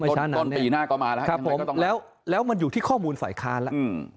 ตอนปีหน้าก่อนมาแล้วครับแล้วมันอยู่ที่ข้อมูลฝ่ายค้านแล้ว